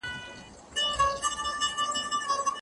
آیا وچه مېوه تر تازه مېوې ډېر عمر کوي؟